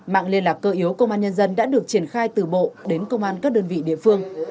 mạng liên lạc cơ yếu công an nhân dân đã được triển khai từ bộ đến công an các đơn vị địa phương